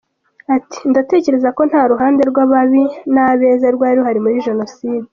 Ati “Ndatekereza ko nta ruhande rw’ababi n’abeza rwari ruhari muri Jenoside.